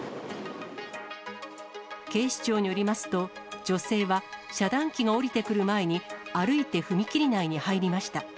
警視庁によりますと、女性は、遮断機が下りてくる前に歩いて踏切内に入りました。